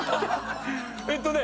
えっとね